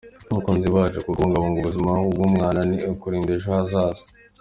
Bakunzi bacu ,kubungabunga ubuzima bw’umwana ni ukurinda ejo hazaza.